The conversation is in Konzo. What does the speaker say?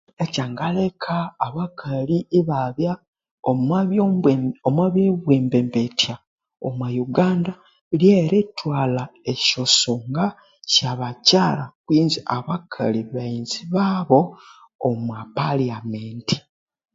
Ekyangaleka abakali ibabya omwa ebyo bwembembethya lyerithwalha esyosonga syabakyara kwinzi abakali baghenzi babo omwa parliamenti.